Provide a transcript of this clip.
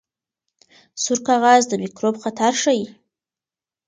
سور کاغذ د میکروب خطر ښيي.